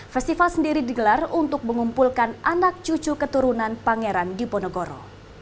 festival sendiri digelar untuk mengumpulkan anak cucu keturunan pangeran diponegoro